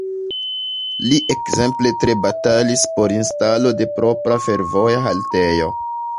Li ekzemple tre batalis por instalo de propra fervoja haltejo.